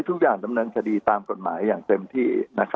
ทุกอย่างดำเนินคดีตามกฎหมายอย่างเต็มที่